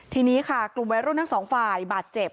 ทีนี้ค่ะกลุ่มวัยรุ่นทั้งสองฝ่ายบาดเจ็บ